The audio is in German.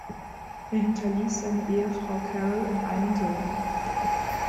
Er hinterließ seine Ehefrau Carol und einen Sohn.